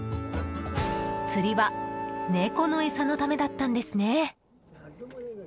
釣りは猫の餌のためだったんですね。